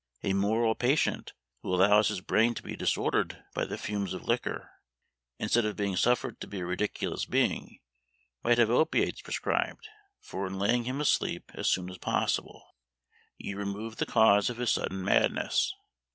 A moral patient, who allows his brain to be disordered by the fumes of liquor, instead of being suffered to be a ridiculous being, might have opiates prescribed; for in laying him asleep as soon as possible, you remove the cause of his sudden madness.